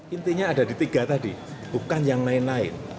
intinya ada di tiga tadi bukan yang lain lain